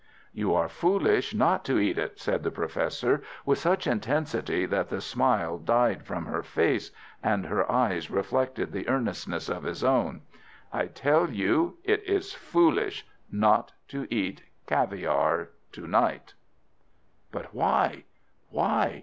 "You are foolish not to eat it," said the Professor, with such intensity that the smile died from her face and her eyes reflected the earnestness of his own. "I tell you it is foolish not to eat caviare to night." "But why—why?"